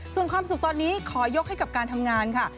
ส่วนความสุขตอนนี้ขอยกให้กับการทำงานค่ะ